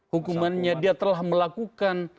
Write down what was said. hukumannya dia telah melakukan